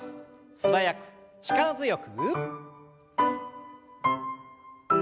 素早く力強く。